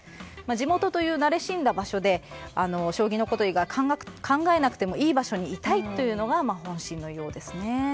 地元という慣れ親しんだ場所で将棋のこと以外考えなくてもいい場所にいたいというのが本心のようですね。